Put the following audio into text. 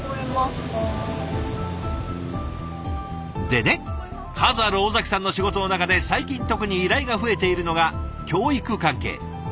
でね数ある尾崎さんの仕事の中で最近特に依頼が増えているのが教育関係。